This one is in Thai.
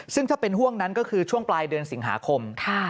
ซึ่งถ้าเป็นห่วงนั้นก็คือช่วงปลายเดือนสิงหาคม